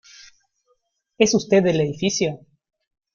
¿ es usted del edificio?